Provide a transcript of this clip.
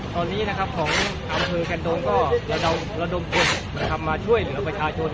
ตอนนี้นะครับของอำเภอแคนโดงก็ระดมกฏมาช่วยเวลาประชาชน